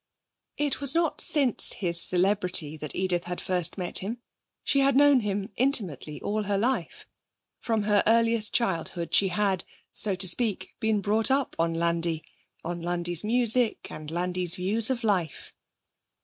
It was not since his celebrity that Edith had first met him; she had known him intimately all her life. From her earliest childhood she had, so to speak, been brought up on Landi; on Landi's music and Landi's views of life.